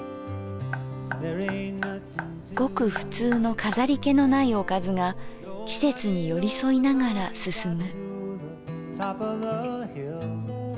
ごくふつうの飾り気のないおかずが季節に寄り添いながら進む。